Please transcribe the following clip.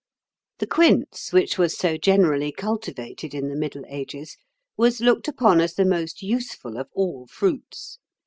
The quince, which was so generally cultivated in the Middle Ages, was looked upon as the most useful of all fruits.